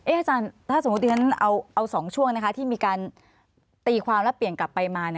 อาจารย์ถ้าสมมุติฉันเอา๒ช่วงที่มีการตีความและเปลี่ยนกลับไปมา